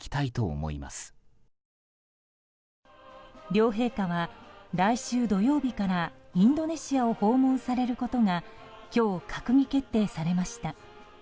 両陛下は来週土曜日からインドネシアを訪問されることが今日、閣議決定されました。